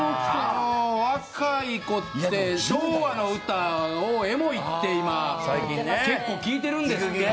若い子って昭和の歌をエモいって今結構聴いてるんですって。